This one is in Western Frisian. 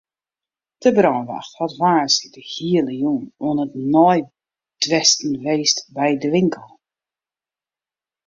De brânwacht hat woansdei de hiele jûn oan it neidwêsten west by de winkel.